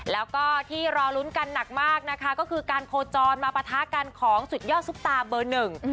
แล้วก็ที่รอลุ้นกันหนักมากนะคะก็คือการโคจรมาปะทะกันของสุดยอดซุปตาเบอร์หนึ่ง